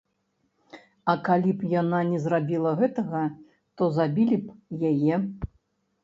А калі б яна не зрабіла гэтага, то забілі б яе.